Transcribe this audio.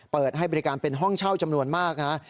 เปิดให้บริการเป็นห้องเช่าจำนวนมากนะ